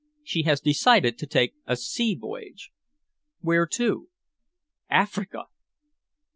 She has decided to take a sea voyage." "Where to?" "Africa!"